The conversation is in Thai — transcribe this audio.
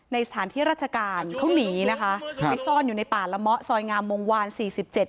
สถานที่ราชการเขาหนีนะคะครับไปซ่อนอยู่ในป่าละเมาะซอยงามวงวานสี่สิบเจ็ด